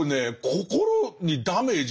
心にダメージ